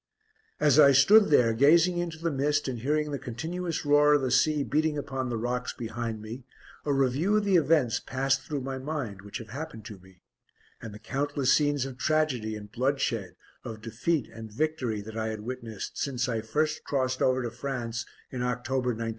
As I stood there, gazing into the mist and hearing the continuous roar of the sea beating upon the rocks behind me, a review of the events passed through my mind which have happened to me, and the countless scenes of tragedy and bloodshed, of defeat and victory that I had witnessed since I first crossed over to France in October, 1914.